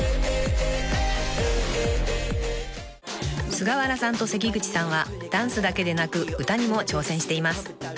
［菅原さんと関口さんはダンスだけでなく歌にも挑戦しています］